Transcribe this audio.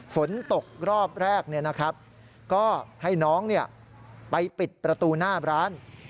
ฝนตกรอบแรกก็ให้น้องไปปิดประตูหน้าร้าน